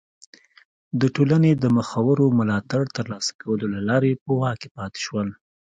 د ټولنې د مخورو ملاتړ ترلاسه کولو له لارې په واک کې پاتې شول.